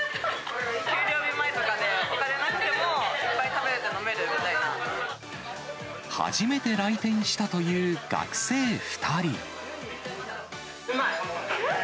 給料日前とかで、お金なくても、初めて来店したという学生２うまい！